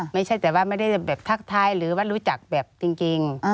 ไม่ใช่แต่ว่าไม่ได้แบบทักทายหรือว่ารู้จักแบบจริง